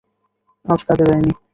আজ কাজে যাইনি।